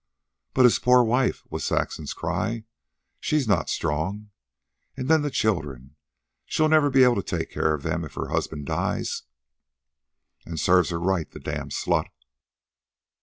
"But his poor wife!" was Saxon's cry. "She's not strong. And then the children. She'll never be able to take care of them if her husband dies." "An' serve her right, the damned slut!"